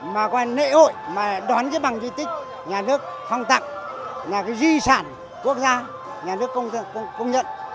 mà qua lễ hội mà đón cái bằng di tích nhà nước phong tặng là cái di sản quốc gia nhà nước công nhận